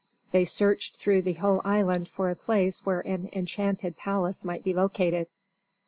They searched through the whole island for a place where an enchanted palace might be located.